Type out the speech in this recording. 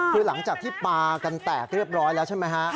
คือหลังจากที่ปลากันแตกเรียบร้อยแล้วใช่ไหมฮะ